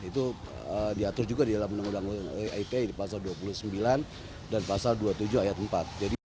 itu diatur juga di dalam undang undang it di pasal dua puluh sembilan dan pasal dua puluh tujuh ayat empat